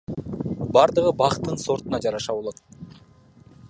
Бардыгы бактын сортуна жараша болот.